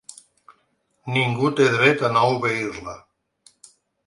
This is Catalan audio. Ningú té dret a no obeir-la.